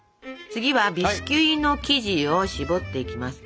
次はビスキュイの生地を絞っていきます。